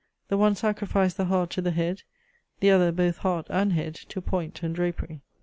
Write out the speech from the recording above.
The one sacrificed the heart to the head; the other both heart and head to point and drapery.